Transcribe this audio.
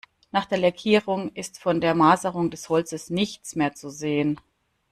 Nach der Lackierung ist von der Maserung des Holzes nichts mehr zu sehen.